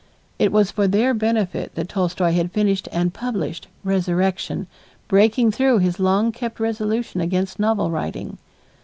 It was for their benefit that Tolstoy had finished and published "Resurrection," breaking through his long kept resolution against novel writing.